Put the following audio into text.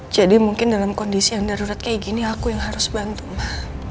jadi mungkin dalam kondisi yang darurat kayak gini aku yang harus bantu ma